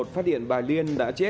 phát điện bà liên đã trở lại